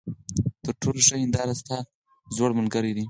تر ټولو ښه هینداره ستا زوړ ملګری دی.